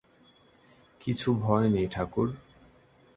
কিছু ভয় নেই ঠাকুর!